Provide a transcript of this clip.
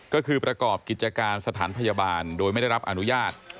ก็คือประกอบกิจการสถานพยาบาลโดยไม่ได้รับอนุญาต